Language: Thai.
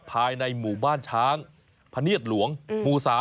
ภายในหมู่บ้านช้างพะเนียดหลวงหมู่๓